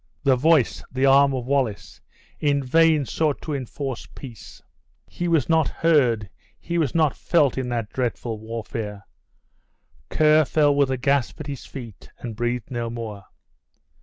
The voice, the arm of Wallace, in vain sought to enforce peace; he was not heard, he was not felt in the dreadful warfare; Ker fell with a gasp at his feet, and breathed no more.